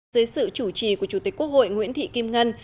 dưới sự chủ trì của chủ tịch quốc hội nguyễn thị kim ngân